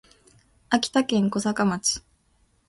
秋田県小坂町